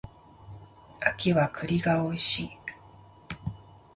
秋は栗が美味しい